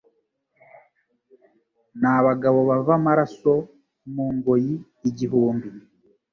N'abagabo bava amaraso mu ngoyi igihumbi